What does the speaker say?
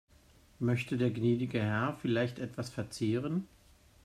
Möchte der gnädige Herr vielleicht etwas verzehren?